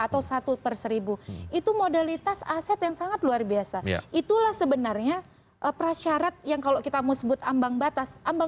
tidak ada yang tahu kan